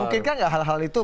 memungkinkan gak hal hal itu